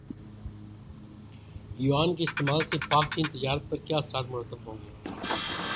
یوان کے استعمال سے پاکچین تجارت پر کیا اثرات مرتب ہوں گے